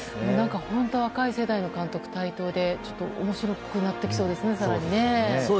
本当に若い監督の台頭で面白くなってきそうですね。